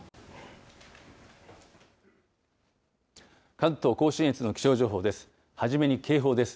関東甲信越の気象情報です。